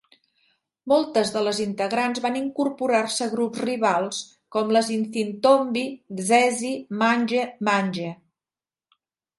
Moltes de les integrants van incorporar-se a grups rivals com les Izintombi Zesi Manje Manje.